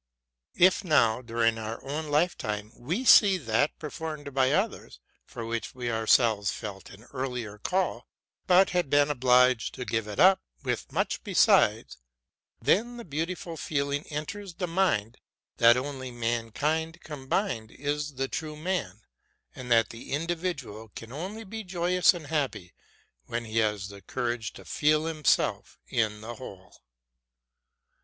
If, now, during our own lifetime, we see that performed by others, for which we ourselves felt an earlier call, but had been obliged to give it up, with much besides, then the beau tiful feeling enters the mind that only mankind combined is the true man, and that the individual can only be joyous and happy when he has the courage to feel himself in the whole.